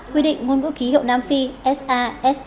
quy định ngôn ngữ ký hiệu nam phi sa sa